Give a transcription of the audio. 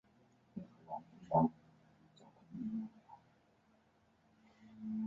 而替这些限制辩护的说法则认为这是为了保障民主的永续或是自由本身的必要措施。